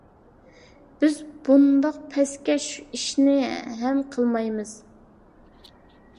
بىز بۇنداق پەسكەش ئىشنى ھەم قىلمايمىز.